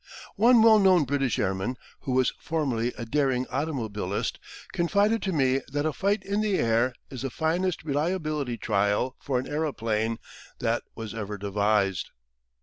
One well known British airman, who was formerly a daring automobilist, confided to me that a fight in the air "is the finest reliability trial for an aeroplane that was ever devised!"